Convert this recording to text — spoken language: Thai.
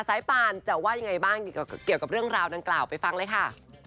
สายปานจะว่ายังไงบ้างเกี่ยวกับเรื่องราวดังกล่าวไปฟังเลยค่ะ